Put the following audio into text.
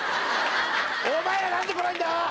お前ら何で来ないんだ？